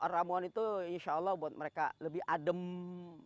ramuan itu insya allah buat mereka lebih adem